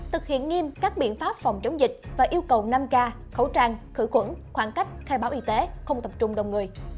thực hiện nghiêm các biện pháp phòng chống dịch và yêu cầu năm k khẩu trang khử khuẩn khoảng cách khai báo y tế không tập trung đông người